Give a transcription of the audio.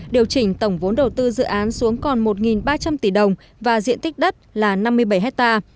điều chỉnh tổng vốn đầu tư dự án xuống còn một ba trăm linh tỷ đồng và diện tích đất là năm mươi bảy ha